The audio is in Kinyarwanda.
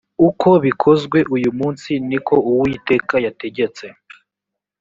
uko bikozwe uyu munsi ni ko uwiteka yategetse